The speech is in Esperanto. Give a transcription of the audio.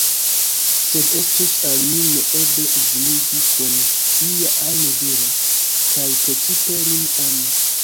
Sed estus al mi neeble edziniĝi kun ia ajn viro, kaj precipe lin ami.